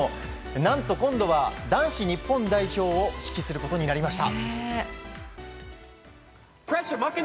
何と今度は、男子日本代表を指揮することになりました。